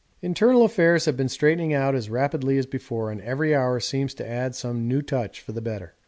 Internal affairs have been straightening out as rapidly as before, and every hour seems to add some new touch for the better.